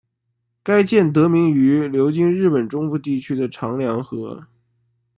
该舰得名于流经日本中部地方的长良河。